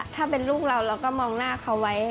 ถ้าเป็นลูกเราเราก็มองหน้าเขาไว้